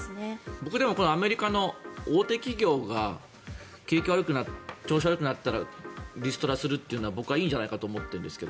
僕、でもアメリカの大手企業が景気が悪くなって調子が悪くなったらリストラするというのは僕はいいんじゃないかと思っているんですけど。